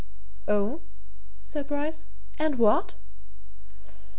"Oh?" said Bryce. "And what?"